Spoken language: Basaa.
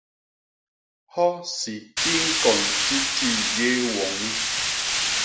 Hosi i ñkon titi yé woñi.